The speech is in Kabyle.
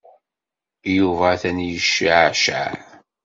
Yuba atan yecceɛceɛ.